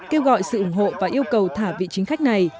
kêu gọi sự ủng hộ và yêu cầu thả vị chính khách này